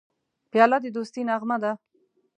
پیاله د دوستی نغمه ده.